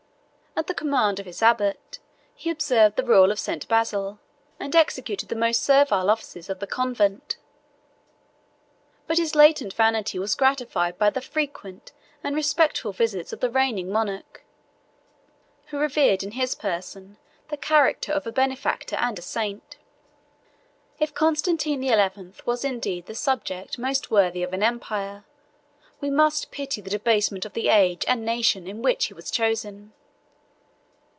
At the command of his abbot, he observed the rule of St. Basil, and executed the most servile offices of the convent: but his latent vanity was gratified by the frequent and respectful visits of the reigning monarch, who revered in his person the character of a benefactor and a saint. If Constantine the Eleventh were indeed the subject most worthy of empire, we must pity the debasement of the age and nation in which he was chosen.